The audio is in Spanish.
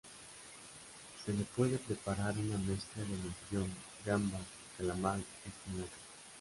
Se le puede preparar una mezcla de mejillón, gamba, calamar y espinacas.